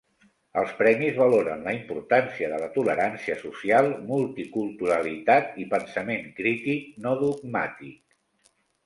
Els premis valoren la importància de la tolerància social, multiculturalitat i pensament crític no dogmàtic.